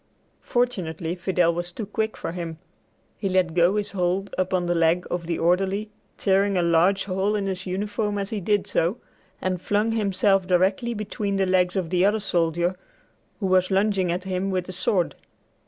Fortunately Fidel was too quick for him. He let go his hold upon the leg of the orderly, tearing a large hole in his uniform as he did so, and flung himself directly between the legs of the other soldier who was lunging at him with the sword.